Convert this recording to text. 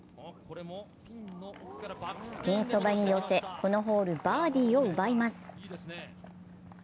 ピンそばに寄せ、このホール、バーディーを奪います。